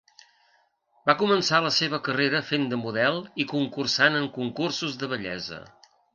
Va començar la seva carrera fent de model i concursant en concursos de bellesa.